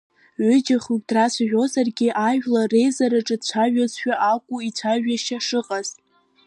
Ҩыџьа, хҩык драцәажәозаргьы ажәлар реизараҿы дцәажәозшәа акәын ицәажәашьа шыҟаз.